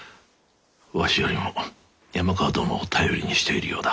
わしよりも山川殿を頼りにしているようだ。